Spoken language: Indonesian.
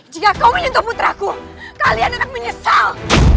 jika kau menyentuh putraku kalian akan menyesal